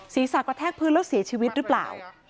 ศีรษะกระแทกพื้นแล้วเสียชีวิตหรือเปล่า